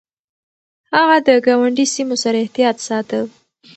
هغه د ګاونډي سيمو سره احتياط ساته.